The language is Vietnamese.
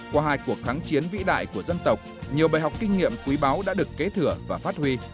qua hai cuộc kháng chiến vĩ đại của dân tộc nhiều bài học kinh nghiệm quý báu đã được kế thừa và phát huy